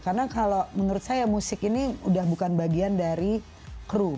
karena kalau menurut saya musik ini udah bukan bagian dari kru